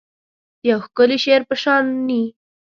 د یو ښکلي شعر په شاني